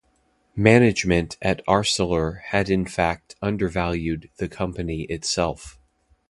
Management of Arcelor had in fact undervalued the company itself.